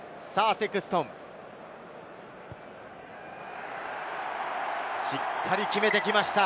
セクストン、しっかり決めてきました。